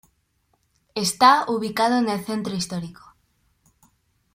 Está ubicado en el centro histórico.